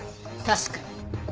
確かに。